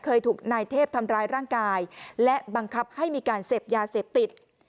เคยถูกนายเทพทำร้ายร่างกายและบังคับให้มีการเสพยาเสพติด